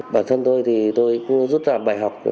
bản thân tôi thì tôi cũng rút ra bài học